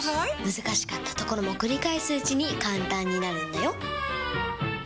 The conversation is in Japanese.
難しかったところも繰り返すうちに簡単になるんだよ！